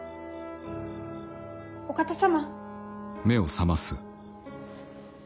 ・お方様。